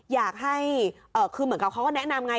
อยากให้คือเหมือนกับเขาก็แนะนำไง